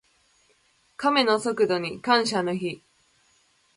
カメの速度に感謝の日。